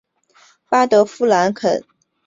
巴德夫兰肯豪森是德国图林根州的一个市镇。